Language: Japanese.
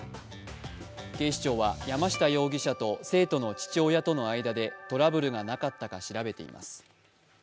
警視庁は山下容疑者と生徒の父親との間でトラブルがなかったか調べています。